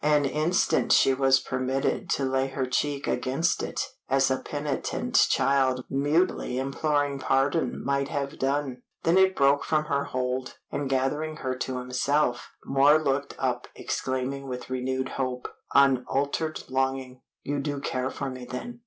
An instant she was permitted to lay her cheek against it as a penitent child mutely imploring pardon might have done. Then it broke from her hold, and gathering her to himself, Moor looked up exclaiming with renewed hope, unaltered longing "You do care for me, then?